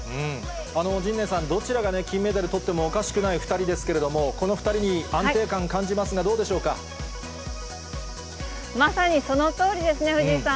陣内さん、どちらが金メダルとってもおかしくない２人ですけれども、この２人、安定感、まさにそのとおりですね、藤井さん。